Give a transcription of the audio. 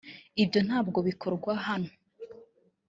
ibyo ntabwo bikorwa hano